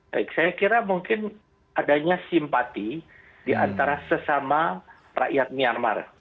baik saya kira mungkin adanya simpati di antara sesama rakyat myanmar